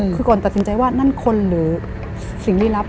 คือก่อนตัดสินใจว่านั่นคนหรือสิ่งลี้ลับ